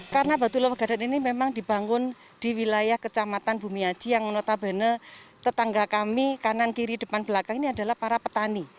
karena batu love garden ini memang dibangun di wilayah kecamatan bumiaji yang menotabene tetangga kami kanan kiri depan belakang ini adalah para petani